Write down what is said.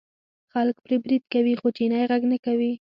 خلک پرې برید کوي خو چینی غږ نه کوي.